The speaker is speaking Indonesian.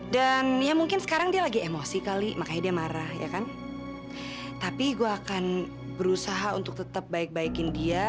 dan juga untuk selalu memberikan alih kekuatan kepada anda